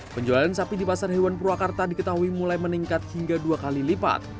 penjualan sapi di pasar hewan purwakarta diketahui mulai meningkat hingga dua kali lipat